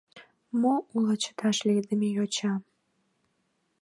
— Мо уло, чыташ лийдыме йоча?